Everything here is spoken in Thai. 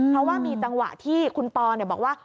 เพราะว่ามีจังหวะที่คุณปอบอกว่า